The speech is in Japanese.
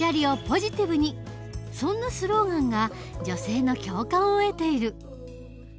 そんなスローガンが女性の共感を得ている。